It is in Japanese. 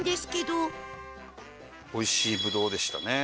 おいしいぶどうでしたね。